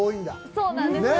そうなんですよ。